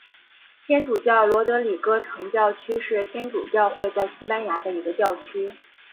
天主教罗德里戈城教区是天主教会在西班牙的一个教区。